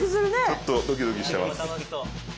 ちょっとドキドキしてます。